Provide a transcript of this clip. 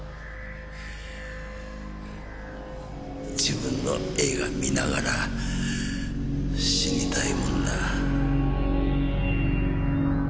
自分の映画観ながら死にたいもんだ。